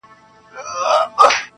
سپوږمۍ هغې ته په زاریو ویل .